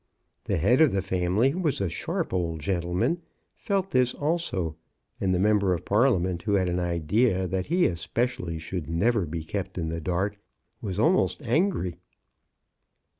The head of the family, who was a sharp old gentleman, felt this also, and the member of Parliament, who had an idea that he especially should never be kept in the dark, was almost angry.